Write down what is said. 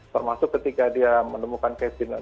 termasuk ketika dia menemukan kevzin dan markus